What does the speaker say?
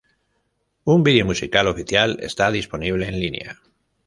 Un video musical oficial está disponible en línea.